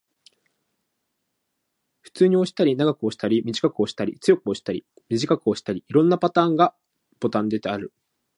普通に押したり、長く押したり、短く押したり、強く押したり、弱く押したり、色々なパターンでボタンを押す